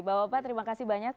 bapak bapak terima kasih banyak